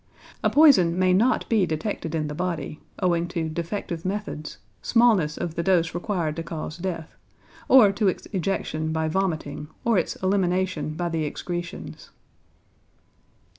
A poison may not be detected in the body, owing to defective methods, smallness of the dose required to cause death, or to its ejection by vomiting or its elimination by the excretions.